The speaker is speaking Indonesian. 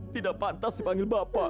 tidak pantas dipanggil bapak